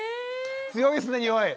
強いですねにおい。